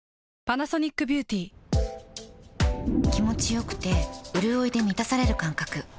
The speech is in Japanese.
気持ちよくてうるおいで満たされる感覚